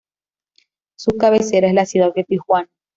Su cabecera es la ciudad de Tijuana.